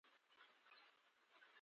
هغه څه چې دوی له منځه وړل غواړي.